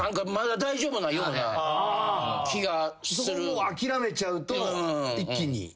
そこをもう諦めちゃうと一気に。